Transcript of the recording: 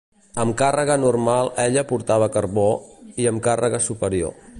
Amb càrrega normal ella portava carbó, i amb càrrega superior.